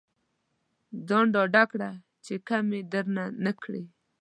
ځان ډاډه کړه چې کمې درنه نه کړي.